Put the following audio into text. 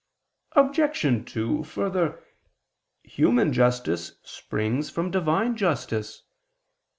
Obj. 2: Further, human justice springs from Divine justice.